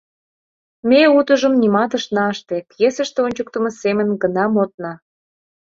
Ме утыжым нимат ышна ыште, пьесыште ончыктымо семын гына модна.